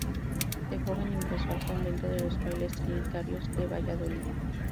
De joven ingresó al convento de los frailes trinitarios de Valladolid.